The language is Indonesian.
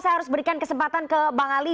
saya harus berikan kesempatan ke bang ali